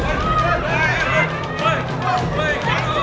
bang yang berakhir makan cermin minggu ini